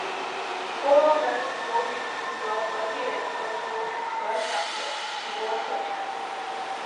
婆罗门由于职责和地位的特殊可享有许多特权。